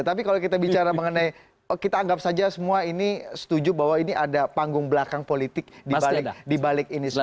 tapi kalau kita bicara mengenai kita anggap saja semua ini setuju bahwa ini ada panggung belakang politik di balik ini semua